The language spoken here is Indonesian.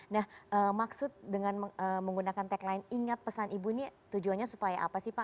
nah maksud dengan menggunakan tagline ingat pesan ibu ini tujuannya supaya apa sih pak